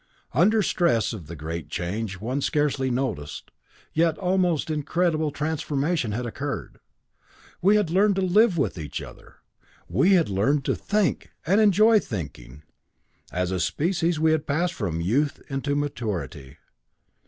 "Under stress of the Great Change one scarcely noticed, yet almost incredible, transformation had occurred. We had learned to live with each other. We had learned to think, and enjoy thinking. As a species we had passed from youth into maturity.